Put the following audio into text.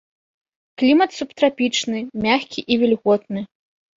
Клімат субтрапічны, мяккі і вільготны.